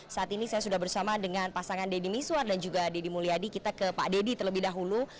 saat ini saya sudah bersama dengan pasangan deddy miswar dan juga deddy mulyadi kita ke pak deddy terlebih dahulu